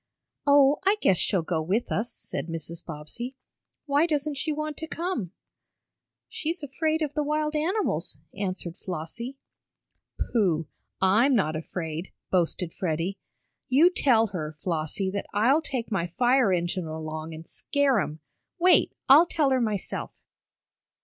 "Oh, I guess she'll go with us," said Mrs. Bobbsey. "Why doesn't she want to come?" "She's afraid of the wild animals," answered Flossie. "Pooh! I'm not afraid!" boasted Freddie. "You tell her, Flossie, that I'll take my fire engine along an' scare 'em. Wait, I'll tell her myself."